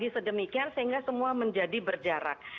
jadi sedemikian sehingga semua menjadi berjarak